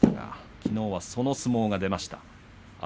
きのうはその相撲が出ました。